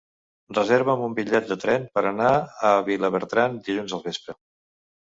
Reserva'm un bitllet de tren per anar a Vilabertran dilluns al vespre.